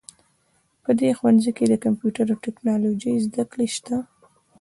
په دې ښوونځي کې د کمپیوټر او ټکنالوژۍ زده کړه شته